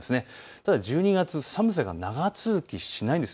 ただ１２月、寒さは長続きしないんです。